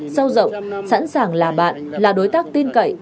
sâu rộng sẵn sàng là bạn là đối tác tin cậy